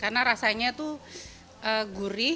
karena rasanya tuh gurih